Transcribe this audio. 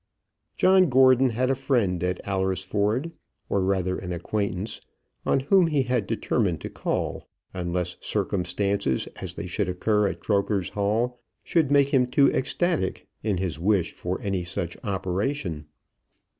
John Gordon had a friend at Alresford, or rather an acquaintance, on whom he had determined to call, unless circumstances, as they should occur at Croker's Hall, should make him too ecstatic in his wish for any such operation.